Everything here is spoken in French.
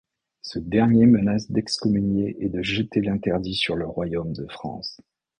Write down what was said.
Ce dernier menace d'excommunier et de jeter l'interdit sur le royaume de France.